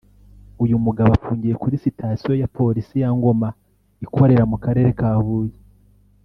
uyu mugabo afungiye kuri sitasiyo ya Polisi ya Ngoma ikorera mu Karere ka Huye